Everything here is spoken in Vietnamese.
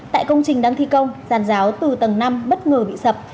tại công trình đang thi công giàn giáo từ tầng năm bất ngờ bị sập